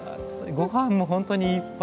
ごはんも本当にいっぱい。